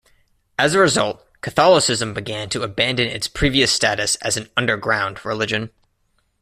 As a result, Catholicism began to abandon its previous status as an "underground" religion.